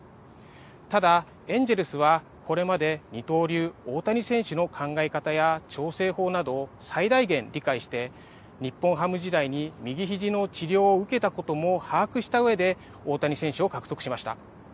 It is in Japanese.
ただエンジェルスはこれまで二刀流大谷選手の考え方や調整法など最大限理解して日本ハム時代に右ひじの治療を受けたことも把握した上で大谷選手を獲得しました。